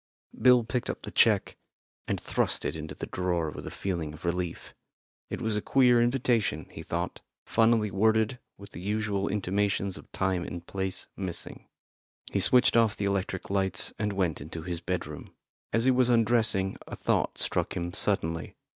Bill picked up the cheque, and thrust it into the drawer with a feeling of relief. It was a queer invitation, he thought funnily worded, with the usual intimations of time and place missing. He switched off the electric lights and went into his bedroom. As he was undressing a thought struck him suddenly.